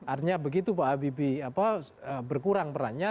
artinya begitu pak habibie berkurang perannya